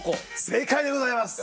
正解でございます。